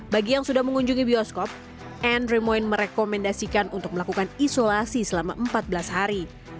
bagi yang sudah mengunjungi bioskop andre moin merekomendasikan untuk melakukan isolasi selama empat belas hari